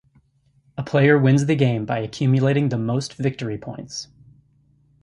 A player wins the game by accumulating the most victory points.